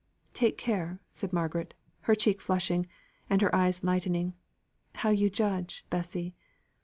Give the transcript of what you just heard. "Take care," said Margaret, her cheek flushing, and her eye lightening, "how you judge, Bessy.